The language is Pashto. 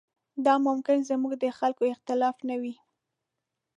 دا ممکن زموږ د خلکو اختلاف نه وي.